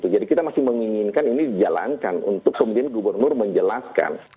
jadi kita masih menginginkan ini dijalankan untuk kemudian gubernur menjelaskan